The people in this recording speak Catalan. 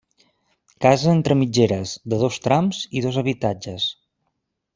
Casa entre mitgeres, de dos trams i dos habitatges.